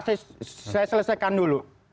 saya selesaikan dulu